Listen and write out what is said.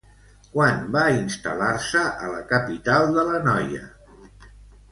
Quan va instal·lar-se a la capital de l'Anoia?